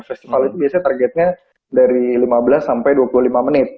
festival itu biasanya targetnya dari lima belas sampai dua puluh lima menit